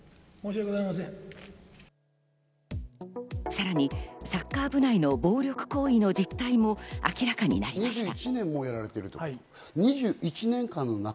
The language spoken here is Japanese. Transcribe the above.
さらにサッカー部内の暴力行為の実態も明らかになりました。